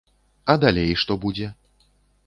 А далей што будзе?